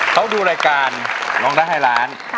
เขาดูรายการร้องได้ให้ล้าน